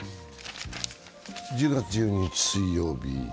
１０月１２日水曜日。